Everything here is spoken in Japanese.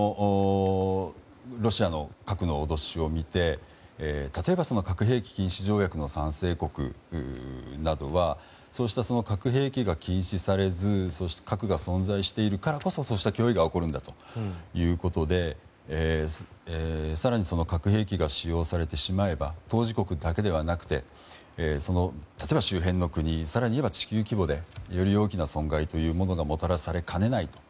ロシアの核の脅しを見て例えば核兵器禁止条約の賛成国などはそうした核兵器が禁止されず核が存在しているからこそそういう脅威が起こるんだということで更に核兵器が使用されてしまえば当事国だけではなくて例えば周辺の国、地球規模でより大きな損害というものがもたらさねかねないと。